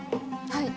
はい。